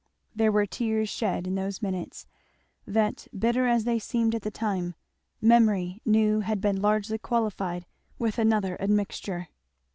There were tears shed in those minutes that, bitter as they seemed at the time, Memory knew had been largely qualified with another admixture.